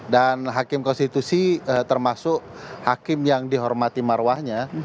dan hakim konstitusi termasuk hakim yang dihormati marwahnya